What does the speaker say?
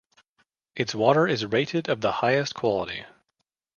Its water is rated of the highest quality.